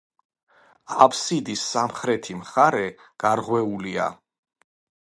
აბსიდის სამხრეთი მხარე გარღვეულია.